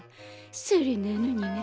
それなのにね？